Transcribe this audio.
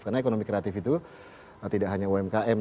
karena ekonomi kreatif itu tidak hanya umkm